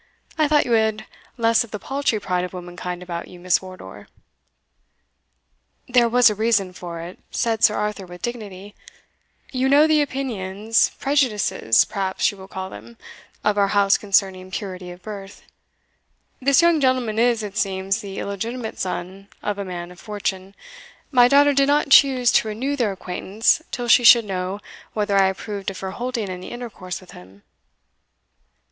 I thought you had less of the paltry pride of womankind about you, Miss Wardour." "There was a reason for it," said Sir Arthur with dignity; "you know the opinions prejudices, perhaps you will call them of our house concerning purity of birth. This young gentleman is, it seems, the illegitimate son of a man of fortune; my daughter did not choose to renew their acquaintance till she should know whether I approved of her holding any intercourse with him."